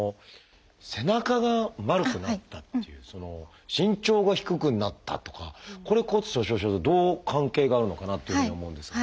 「背中が丸くなった」っていう「身長が低くなった」とかこれ骨粗しょう症とどう関係があるのかなっていうふうに思うんですが。